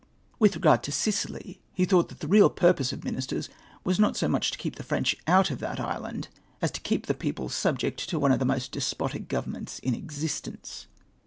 "With regard to Sicily, he thought that the real purpose of ministers was not so much to keep the P''rench out of that island as to keep the people subject to one of the most despotic governments in existence.